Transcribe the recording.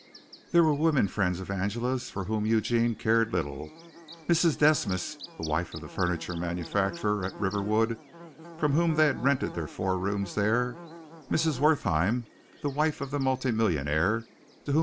There were women friends of Angela's for whom Eugene cared little Mrs. Desmas, the wife of the furniture manufacturer at Riverwood, from whom they had rented their four rooms there; Mrs. Wertheim, the wife of the multimillionaire, to whom M.